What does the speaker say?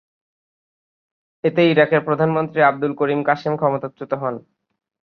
এতে ইরাকের প্রধানমন্ত্রী আবদুল করিম কাসেম ক্ষমতাচ্যুত হন।